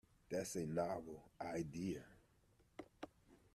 That's a novel idea.